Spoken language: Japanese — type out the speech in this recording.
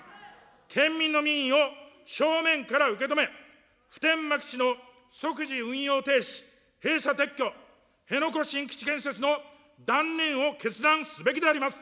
県民の民意を正面から受け止め、普天間基地の即時運用停止、閉鎖・撤去、辺野古新基地建設の断念を決断すべきであります。